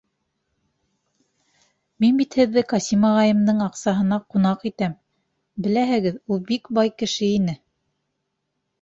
Мин бит һеҙҙе Ҡасим ағайымдың аҡсаһына ҡунаҡ итәм, беләһегеҙ, ул бик бай кеше ине...